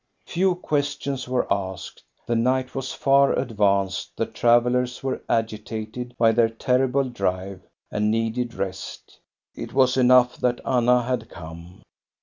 Few questions were asked. The night was far advanced, the travellers were agitated by their terrible drive. and needed rest. It was enough that Anna had come.